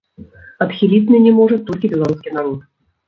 Адхіліць мяне можа толькі беларускі народ.